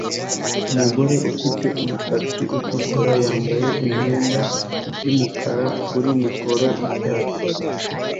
Umugore ufite umusatsi utukura yambaye imyenda yumukara kuri mikoro yicyatsi